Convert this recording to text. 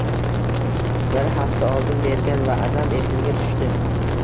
Bir hafta oldin bergan vaʼdam esimga tushdi.